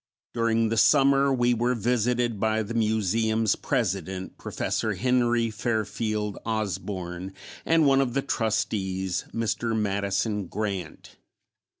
During the summer we were visited by the Museum's President, Prof. Henry Fairfield Osborn, and one of the Trustees, Mr. Madison Grant.